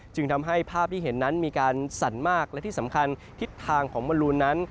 จึงทำให้ภาพที่เห็นนั้นมีการสั่นมากและที่สำคัญทิศทางของมลูนนั้น